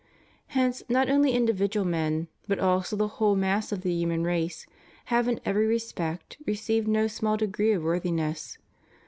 Hence not only individual men, but also the whole mass of the human race, have in every respect received no small degree of worthiness.